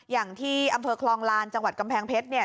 อย่างที่อำเภอคลองลานจังหวัดกำแพงเพชรเนี่ย